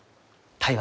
台湾。